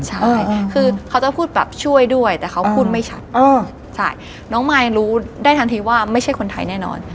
ใช่คือเขาจะพูดแบบช่วยด้วยแต่เขาพูดไม่ชัดใช่น้องมายรู้ได้ทันทีว่าไม่ใช่คนไทยแน่นอน